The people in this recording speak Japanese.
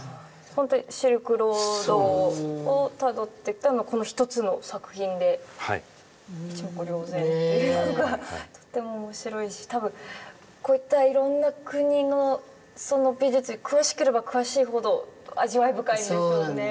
ホントにシルクロードをたどってきたこの一つの作品で一目瞭然っていうのがとっても面白いし多分こういったいろんな国のその美術に詳しければ詳しいほど味わい深いんでしょうね